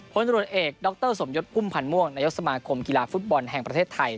ตรวจเอกดรสมยศพุ่มพันธ์ม่วงนายกสมาคมกีฬาฟุตบอลแห่งประเทศไทย